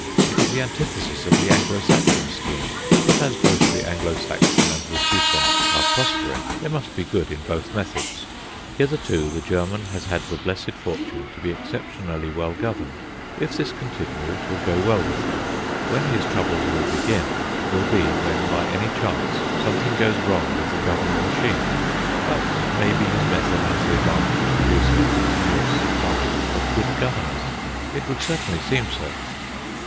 It is the antithesis of the Anglo Saxon scheme; but as both the Anglo Saxon and the Teuton are prospering, there must be good in both methods. Hitherto, the German has had the blessed fortune to be exceptionally well governed; if this continue, it will go well with him. When his troubles will begin will be when by any chance something goes wrong with the governing machine. But maybe his method has the advantage of producing a continuous supply of good governors; it would certainly seem so.